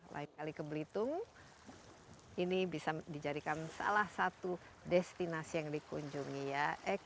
lain kali ke belitung ini bisa dijadikan salah satu destinasi yang dikunjungi ya